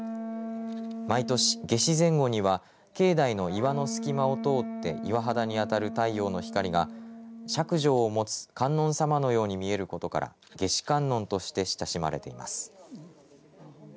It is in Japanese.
毎年、夏至前後には境内の岩の隙間を通って岩肌に当たる太陽の光がしゃくじょうを持つ観音さまのように見えることから夏至観音として親しまれています。